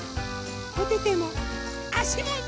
おててもあしもみどり！